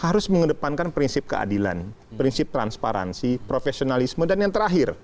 harus mengedepankan prinsip keadilan prinsip transparansi profesionalisme dan yang terakhir